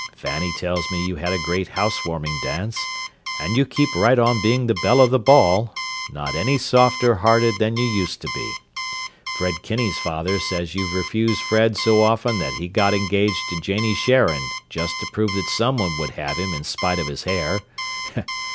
Fanny tells me you had a great 'house warming' dance, and you keep right on being the belle of the ball, not any softer hearted than you used to be. Fred Kinney's father says you've refused Fred so often that he got engaged to Janie Sharon just to prove that someone would have him in spite of his hair.